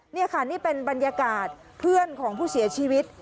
นี่ค่ะนี่เป็นบรรยากาศเพื่อนของผู้เสียชีวิต